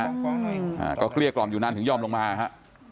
อ่าก็เกลี้ยกล่อมอยู่นานถึงยอมลงมาฮะ